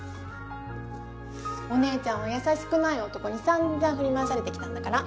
お姉ちゃんは優しくない男に散々振り回されてきたんだから。